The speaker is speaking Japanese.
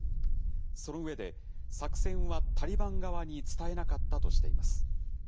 その上で、作戦はタリバン側に伝えなかったとしています。